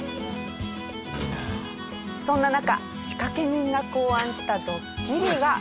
そんな中仕掛け人が考案したドッキリは。